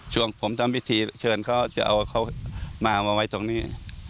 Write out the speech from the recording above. ช่วงผมทำพิธีเชิญเขาจะเอาเขามามาไว้ตรงนี้